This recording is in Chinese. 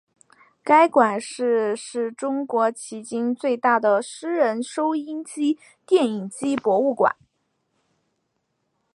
该馆是是中国迄今最大的私人收音机电影机博物馆。